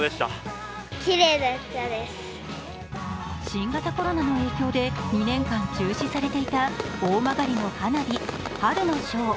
新型コロナの影響で２年間中止されていた大曲の花火−春の章−。